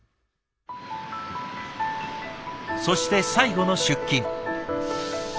そして最後の出勤。